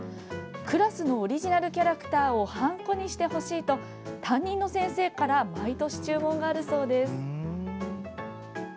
クラスのオリジナルキャラクターをはんこにしてほしいと担任の先生から毎年、注文があるそうです。